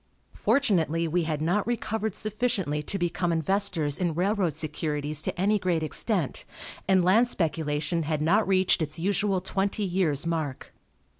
Fortunately we had not recovered sufficiently to become investors in railroad securities to any great extent, and land speculation had not reached its usual twenty years' mark.